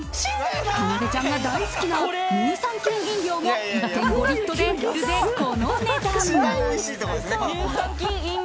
かなでちゃんが大好きな乳酸菌飲料も１．５リットルで、この値段。